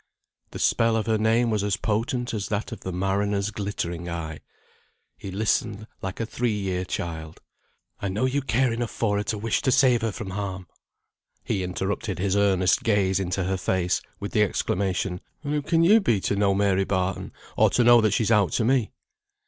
The spell of her name was as potent as that of the mariner's glittering eye. "He listened like a three year child." "I know you care enough for her to wish to save her from harm." He interrupted his earnest gaze into her face, with the exclamation "And who can yo be to know Mary Barton, or to know that she's ought to me?"